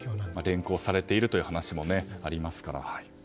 連行されているという話もありますから。